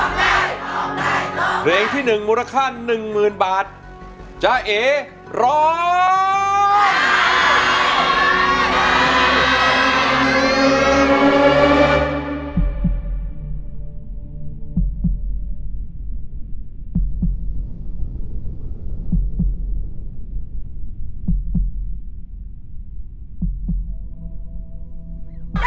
เพลงที่๑มูลค่า๑๐๐๐๐บาทจะเอร้อง